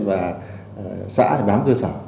và xã bám cơ sở